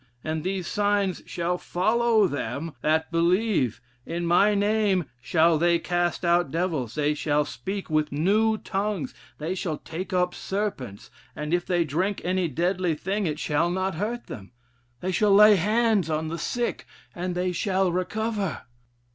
And these signs shall follow them that believe; in my name shall they cast out devils; they shall speak with new tongues; they shall take up serpents; and if they drink any deadly thing, it shall not hurt them; they shall lay hands on the sick, and they shall recover.'